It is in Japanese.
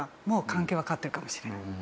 もう関係は変わってるかもしれない。